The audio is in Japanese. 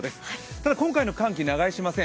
ただ、今回の寒気、長居しません。